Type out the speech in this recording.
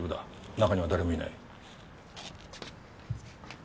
中には誰もいない。